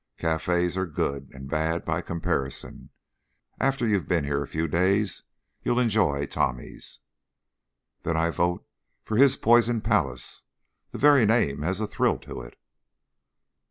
Cafes are good and bad by comparison. After you've been here a few days you'll enjoy Tommy's." "Then I vote for his poison palace. The very name has a thrill to it."